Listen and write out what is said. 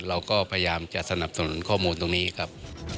เราก็พยายามจะสนับสนุนข้อมูลตรงนี้ครับ